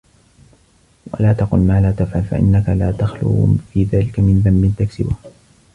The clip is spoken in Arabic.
وَلَا تَقُلْ مَا لَا تَفْعَلُ فَإِنَّك لَا تَخْلُو فِي ذَلِكَ مِنْ ذَنْبٍ تَكْسِبُهُ